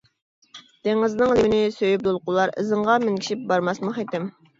دېڭىزنىڭ لېۋىنى سۆيۈپ دولقۇنلار، ئىزىڭغا مىنگىشىپ بارماسمۇ خېتىم.